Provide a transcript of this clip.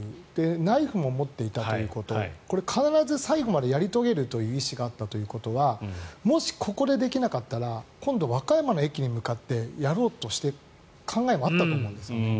ナイフも持っていたということ必ず最後までやり遂げる意思があったということはもしここでできなかったら今度、和歌山の駅に向かってやろうとしていた考えもあったと思うんですね。